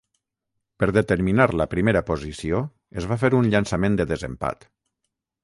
Per determinar la primera posició es va fer un llançament de desempat.